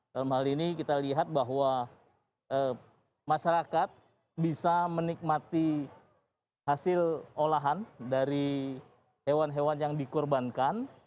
dalam hal ini kita lihat bahwa masyarakat bisa menikmati hasil olahan dari hewan hewan yang dikorbankan